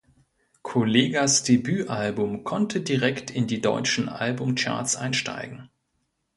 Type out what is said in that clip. Kollegahs Debütalbum konnte direkt in die deutschen Album-Charts einsteigen.